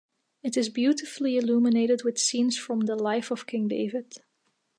It is beautifully illuminated with scenes from the life of King David.